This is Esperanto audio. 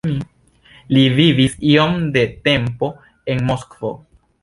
Li vivis iom de tempo en Moskvo.